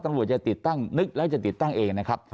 ตำรวจจะติดตั้งนึกแล้วจะติดตั้งเองนะครับ